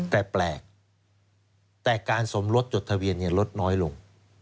แต่แปลกแต่การสมรสจดทะเบียนลดน้อยลง